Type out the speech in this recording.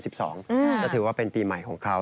ก็ถือว่าเป็นปีใหม่ของเขา